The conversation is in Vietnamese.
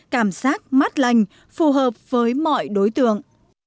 cảm giác mát lành phù hợp với mọi đối tượng